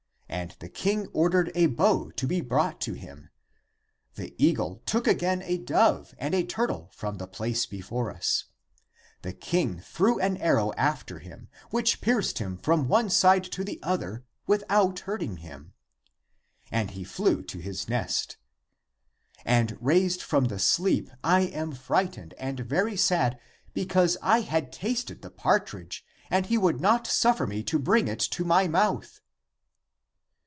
And the king ordered a bow to be brought to him. The eagle took again a dove and a turtle from the place before us. The king threw an arrow after him which pierced him from one side to the other without hurting him. And he flew to his nest. And raised from the sleep, I am fright ened and very sad because I had tasted the partridge and he would not suffer me to bring it to my mouth."